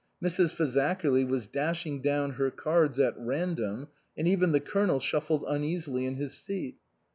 Mrs. Fazakerly was dashing down her cards at random, and even the Colonel shuffled uneasily in his seat.